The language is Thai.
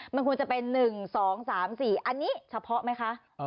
มันควรจะเป็น๑๒๓๔อันนี้เฉพาะไหมคะ